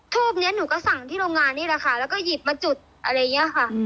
ทูปนี้หนูก็สั่งที่โรงงานนี่แหละค่ะแล้วก็หยิบมาจุดอะไรอย่างนี้ค่ะ